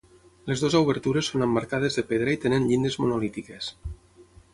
Les dues obertures són emmarcades de pedra i tenen llindes monolítiques.